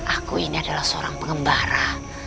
aku ini adalah seorang pengembara